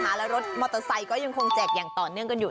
แล้วรถมอเตอร์ไซค์ก็ยังคงแจกอย่างต่อเนื่องกันอยู่